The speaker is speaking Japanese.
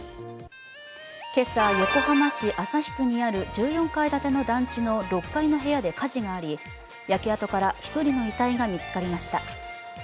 今朝、横浜市旭区にある１４階建ての団地の６階の部屋で火事があり焼け跡から１人の遺体が見つかりました。